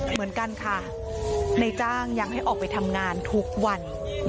เหมือนกันค่ะในจ้างยังให้ออกไปทำงานทุกวัน